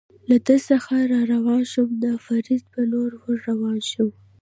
له ده څخه را روان شوم، د او فرید په لور ور روان شوم.